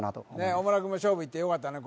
大村君も勝負いってよかったね